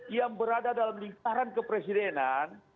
yang berada dalam lingkaran kepresidenan